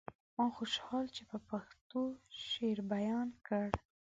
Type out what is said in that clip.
ما خوشحال چې په پښتو شعر بيان کړ.